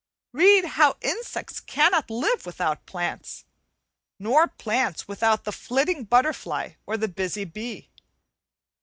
Read how insects cannot live without plants, nor plants without the flitting butterfly or the busy bee.